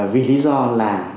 vì lý do là